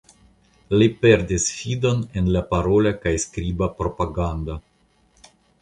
Li perdis fidon en la parola kaj skriba propagando.